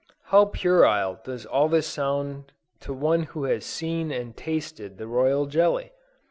How puerile does all this sound to one who has seen and tasted the royal jelly!